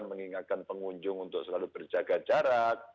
mengingatkan pengunjung untuk selalu berjaga jarak